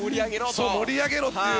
盛り上げろっていう。